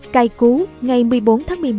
cài cú ngày một mươi bốn tháng một mươi một